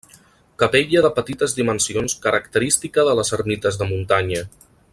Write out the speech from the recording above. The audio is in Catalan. Capella de petites dimensions, característica de les ermites de muntanya.